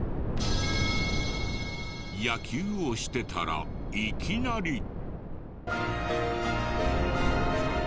野球をしてたらいきなり。